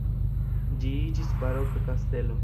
Ĝi iĝis baroka kastelo.